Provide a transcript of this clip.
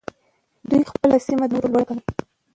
دوی خپله سيمه له نورو لوړه ګڼي.